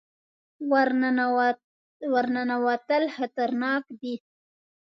ور ننوتل خطرناک دي.